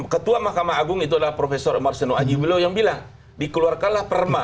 ketua mahkamah agung itu adalah prof omar seno ajiwilo yang bilang dikeluarkanlah perma